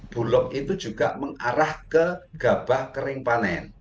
bulog itu juga mengarah ke gabah kering panen